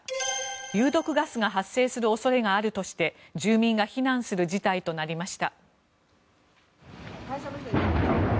有毒ガスが発生する恐れがあるとして住民が避難する事態となりました。